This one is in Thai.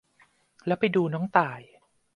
แล้วไปดูน้องต่าย